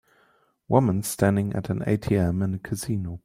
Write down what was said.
Woman standing at an ATM in a casino